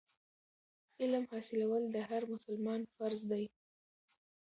علم حاصلول د هر مسلمان فرض دی.